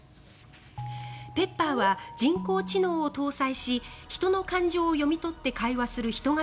Ｐｅｐｐｅｒは人工知能を搭載し人の感情を読み取って会話する人型